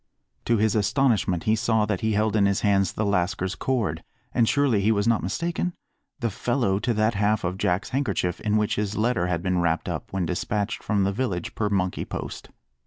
To his astonishment he saw that he held in his hands the lascar's cord, and surely he was not mistaken? the fellow to that half of Jack's handkerchief in which his letter had been wrapped up when despatched from the village per monkey post.